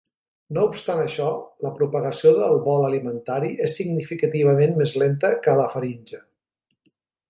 No obstant això, la propagació del bol alimentari és significativament més lenta que a la faringe.